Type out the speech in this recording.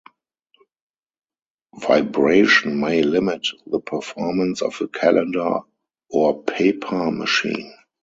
Vibration may limit the performance of a calender or paper machine.